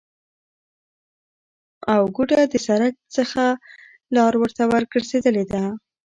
او گوډه د سرک څخه لار ورته ورگرځیدلې ده،